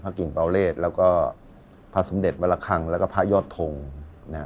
กิ่งเบาเลศแล้วก็พระสมเด็จวรคังแล้วก็พระยอดทงนะฮะ